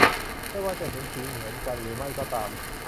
ไม่ว่าจะเห็นสีเหมือนกันหรือไม่ก็ตาม